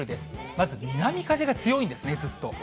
まず南風が強いですね、ずっと。